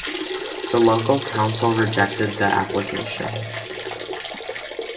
The local council rejected the application.